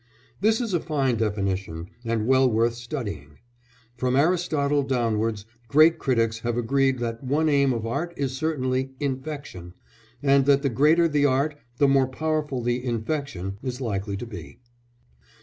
This is a fine definition, and well worth studying. From Aristotle downwards great critics have agreed that one aim of art is certainly "infection," and that the greater the art the more powerful the "infection" is likely to be.